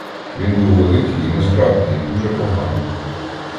Він був великий, і незграбний, і дуже поганий.